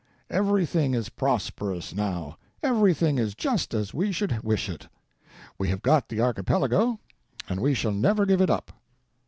Everything is prosperous, now ; everything is just as we should wish it. We have got the Archipelago, and we shall never give it up.